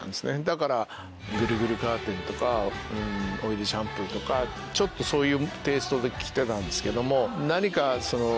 だから『ぐるぐるカーテン』とか『おいでシャンプー』とかちょっとそういうテイストで来てたんですけども。